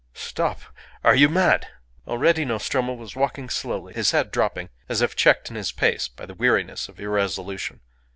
"Stop! Are you mad?" Already Nostromo was walking slowly, his head dropping, as if checked in his pace by the weariness of irresolution.